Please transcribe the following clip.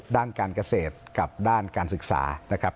ด้านการเกษตรกับด้านการศึกษานะครับ